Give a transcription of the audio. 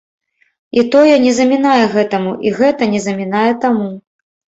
І тое не замінае гэтаму, і гэта не замінае таму.